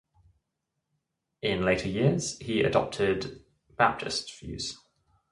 In later years he adopted Baptist views.